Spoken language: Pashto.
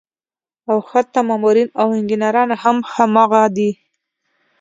او حتا مامورين او انجينران هم هماغه دي